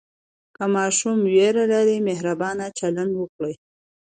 که ماشوم ویره لري، مهربانه چلند وکړئ.